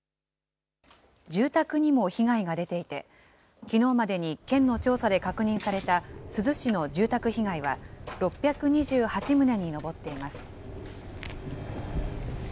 住宅にも被害が出ていて、きのうまでに県の調査で確認された珠洲市の住宅被害は６２８棟に上っています。